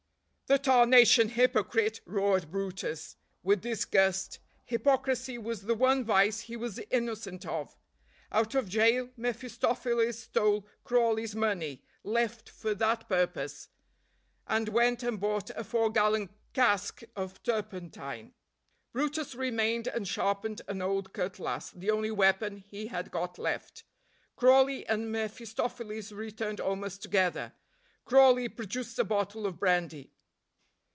"The tarnation hypocrite," roared brutus, with disgust hypocrisy was the one vice he was innocent of out of jail, mephistopheles stole Crawley's money, left for that purpose, and went and bought a four gallon cask of turpentine. brutus remained and sharpened an old cutlass, the only weapon he had got left. Crawley and mephistopheles returned almost together. Crawley produced a bottle of brandy.